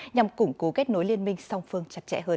nhằm củng cố kết nối liên minh song phương chặt chẽ hơn